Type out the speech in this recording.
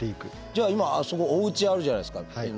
じゃあ今そこおうちあるじゃないですか。